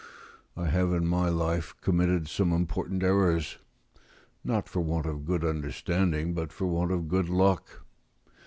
I have in my life committed some important errors, not for want of good understanding, but for want of good luck.